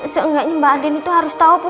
seenggaknya mbak andin itu harus tau